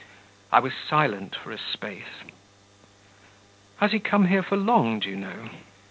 I was silent for a space. 'Has he come here for long, do you know?'